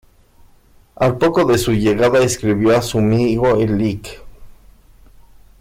Al poco de su llegada escribió a su amigo el Lic.